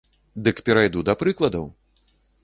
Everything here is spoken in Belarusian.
Дык перайду да прыкладаў!